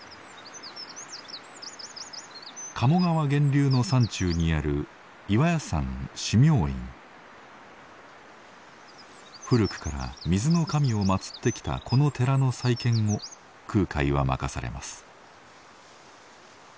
鴨川源流の山中にある古くから水の神を祀ってきたこの寺の再建を空海は任されます。